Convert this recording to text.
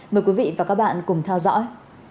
mời quý vị và các bạn cùng theo dõi